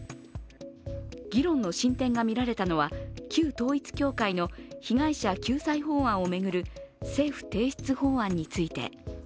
議論の進展が見られたのは旧統一教会の被害者救済法案を巡る政府提出法案について。